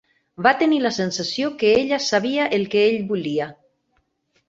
Va tenir la sensació que ella sabia el que ell volia.